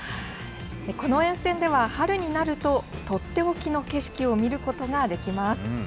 この沿線では、春になると、取って置きの景色を見ることができます。